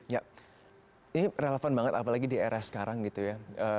ya ini relevan banget apalagi di era sekarang gitu ya